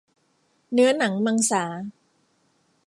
เนื้อหนังมังสา